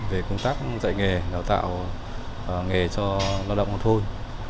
về công tác dạy nghề đào tạo nghề cho lao động nông thôn